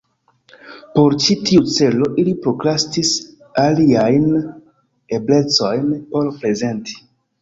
Por ĉi tiu celo ili prokrastis aliajn eblecojn por prezenti.